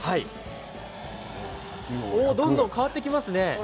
どんどん変わってきますね。